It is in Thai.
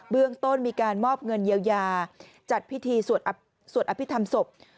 เรื่องต้นมีการมอบเงินเยียวยาจัดพิธีสวดอภิษฐรรมศพ